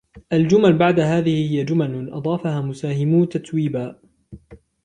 الجمل بعد هذه هي جمل أضافها مساهمو تتويبا.